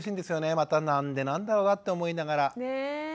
また何でなんだろうなって思いながら。